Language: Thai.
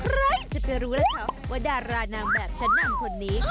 ใครจะไปรู้แล้วค่ะว่าดารานางแบบชั้นนำคนนี้